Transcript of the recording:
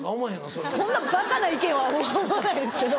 そんなバカな意見は思わないですけど。